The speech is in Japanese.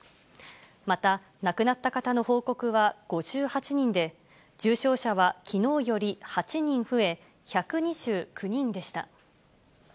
また、亡くなった方の報告は５８人で、重症者はきのうより８人増え、１２９人でした。